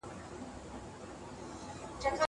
زه مخکي واښه راوړلي وو.